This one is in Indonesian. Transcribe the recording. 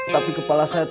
tapi kepala saya